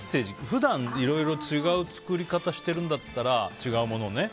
普段、いろいろ違う作り方をしてるんだったら違うものをね。